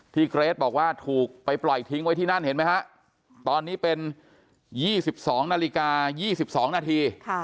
เกรทบอกว่าถูกไปปล่อยทิ้งไว้ที่นั่นเห็นไหมฮะตอนนี้เป็น๒๒นาฬิกา๒๒นาที